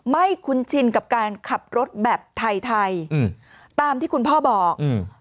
ไม่คุ้นชินกับการขับรถแบบไทยตามที่คุณพ่อบอก